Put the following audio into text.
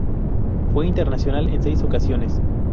Fue internacional en seis ocasiones.